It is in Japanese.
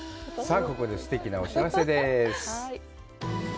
さあ、ここですてきなお知らせです。